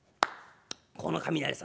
この雷様